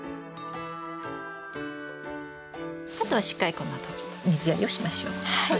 あとはしっかりこのあと水やりをしましょう。